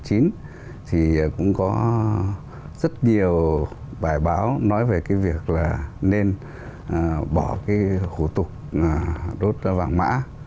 thế kỷ một mươi chín thì cũng có rất nhiều bài báo nói về việc nên bỏ khổ tục đốt vàng mã